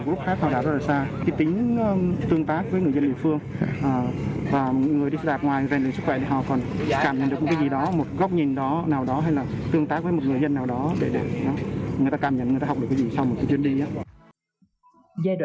bước thắng bắt đầu tiếp cận nhóm đối tượng này